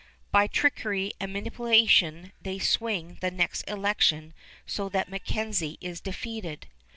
By trickery and manipulation they swing the next election so that MacKenzie is defeated.